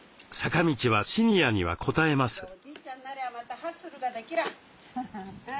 坂道はシニアにはこたえます。